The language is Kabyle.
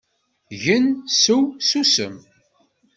Gen, seww, susem.